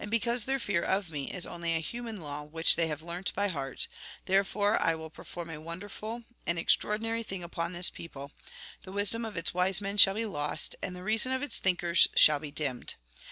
cause their fear of me is only a human law which they have learnt by heart ; therefore I will per form a wonderful, an extraordinary thing upon this people : The wisdom of its wise men shall be lost, and the reason of its thinkers shall be dimmed.